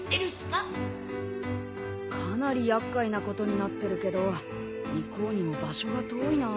かなり厄介なことになってるけど行こうにも場所が遠いな。